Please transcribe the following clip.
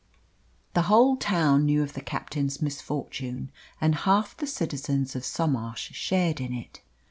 The whole town knew of the captain's misfortune, and half the citizens of Somarsh shared in it.